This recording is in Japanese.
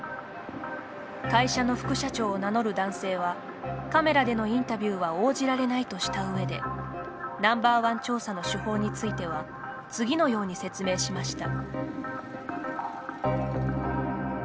会社の副社長を名乗る男性はカメラでのインタビューは応じられないとしたうえでＮｏ．１調査の手法については次のように説明しました。